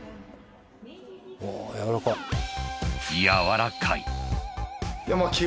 ［やわらかい］